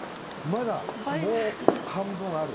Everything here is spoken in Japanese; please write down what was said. まだもう半分ある？